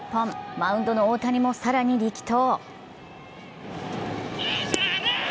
マウンドの大谷も更に力投。